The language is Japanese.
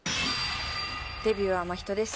デビューは真人です。